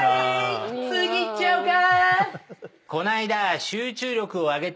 次いっちゃおか。